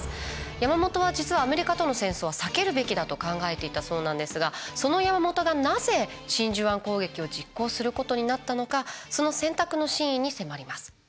山本は実はアメリカとの戦争は避けるべきだと考えていたそうなんですがその山本がなぜ真珠湾攻撃を実行することになったのかその選択の真意に迫ります。